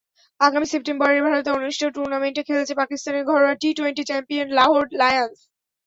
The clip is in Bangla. আগামী সেপ্টেম্বরে ভারতে অনুষ্ঠেয় টুর্নামেন্টে খেলছে পাকিস্তানের ঘরোয়া টি-টোয়েন্টি চ্যাম্পিয়ন লাহোর লায়নস।